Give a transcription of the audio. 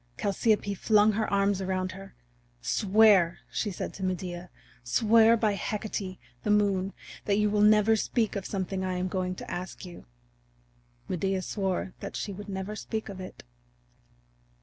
Chalciope flung her arms around her. "Swear," said she to Medea, "swear by Hecate, the Moon, that you will never speak of something I am going to ask you." Medea swore that she would never speak of it.